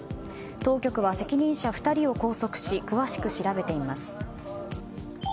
当局は責任者２人を拘束し詳しく調べています。